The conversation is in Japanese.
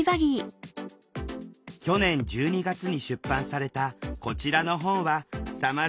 去年１２月に出版されたこちらの本はさまざまな形で展開。